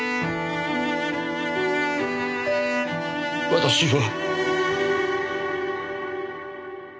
私は。